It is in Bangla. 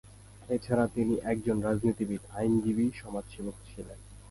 এছাড়া তিনি একজন রাজনীতিবিদ, আইনজীবী, সমাজসেবক ছিলেন।